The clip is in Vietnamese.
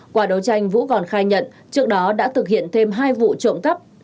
qua đấu tranh vũ còn khai nhận trước đó đã thực hiện thêm hai vụ trộm cắp